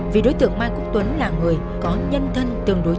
vì đối tượng mai quốc tuấn là người có nhân thân tương đối cao